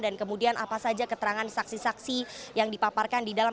dan kemudian apa saja keterangan saksi saksi yang dipaparkan di dalam